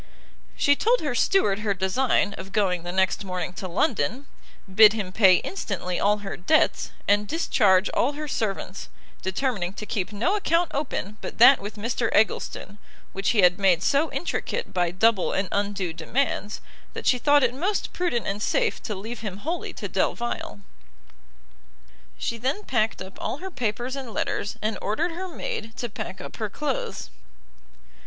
She told her steward her design of going the next morning to London, bid him pay instantly all her debts, and discharge all her servants, determining to keep no account open but that with Mr Eggleston, which he had made so intricate by double and undue demands, that she thought it most prudent and safe to leave him wholly to Delvile. She then packed up all her papers and letters, and ordered her maid to pack up her clothes.